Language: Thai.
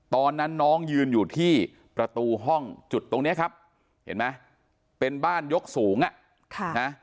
ตอนนั้นน้องยืนอยู่ที่ประตูห้องจุดตรงนี้ครับเห็นไหมเป็นบ้านยกสูงอ่ะค่ะนะ